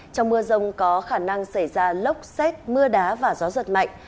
trong mưa rông có khả năng xảy ra lốc xét mưa đá và gió giật mạnh